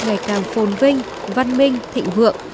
ngày càng phôn vinh văn minh thịnh vượng